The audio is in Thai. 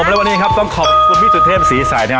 และวันนี้ครับต้องขอคุณพี่สุดเทพศีรษัย